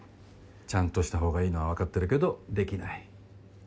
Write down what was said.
ちゃんとした方がいいのは分かってるけどできない。